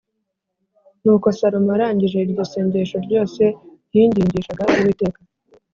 Nuko Salomo arangije iryo sengesho ryose yingingishaga Uwiteka